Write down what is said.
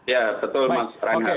ya betul mas rangga